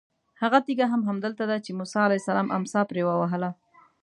هغه تېږه هم همدلته ده چې موسی علیه السلام امسا پرې ووهله.